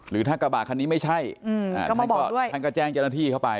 หรือถ้ากระบะคันนี้ไม่ใช่ท่านก็แจ้งเจ้าหน้าที่เข้าไป